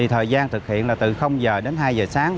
thời gian thực hiện là từ giờ đến hai giờ sáng